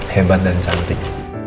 hebat dan cantik